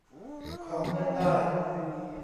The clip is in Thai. ของเงินได้